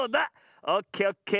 オッケーオッケー。